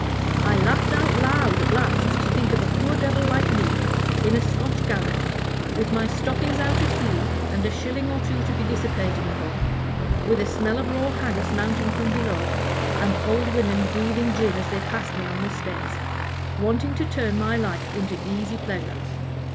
I laughed out loud at last to think that a poor devil like me, in a Scotch garret, with my stockings out at heel and a shilling or two to be dissipated upon, with a smell of raw haggis mounting from below, and old women breathing gin as they passed me on the stairs wanting to turn my life into easy pleasure.